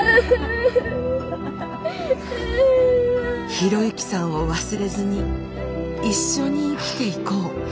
啓之さんを忘れずに一緒に生きていこう。